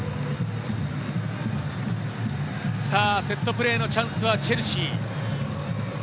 セットプレーのチャンスはチェルシー。